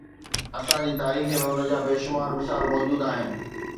اسان جي تاريخ ۾ ان جا بيشمار مثال موجود آهن.